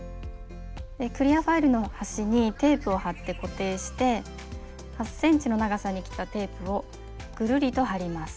クリアファイルの端にテープを貼って固定して８センチの長さに切ったテープをぐるりと貼ります。